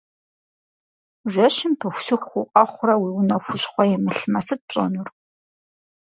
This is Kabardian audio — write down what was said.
Жэщым пыхусыху укъэхъурэ уи унэ хущхъуэ имылъмэ, сыт пщӏэнур?